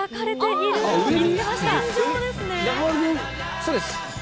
そうです。